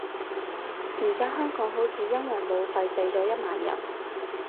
而家香港好似因為武肺死咗一萬人